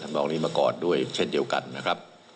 นองนี้มาก่อนด้วยเช่นเดียวกันนะครับ